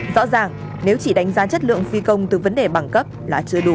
rõ ràng nếu chỉ đánh giá chất lượng phi công từ vấn đề bằng cấp là chưa đúng